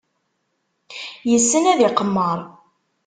Yessen ad iqemmer.